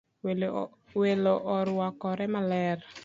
Welo orwakore maler